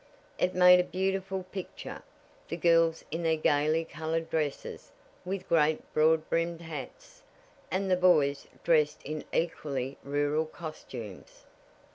It made a beautiful picture, the girls in their gaily colored dresses, with great, broad brimmed hats, and the boys dressed in equally rural costumes.